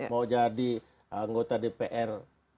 mau jadi anggota dpr